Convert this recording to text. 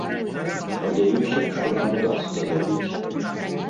Спадзяюся, што нам удасца забіць.